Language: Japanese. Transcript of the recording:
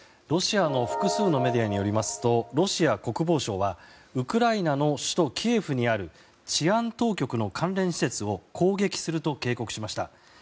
ロシアの複数のメディアによりますとロシア国防省はウクライナの首都キエフにある治安当局の関連施設を攻撃すると警告しました。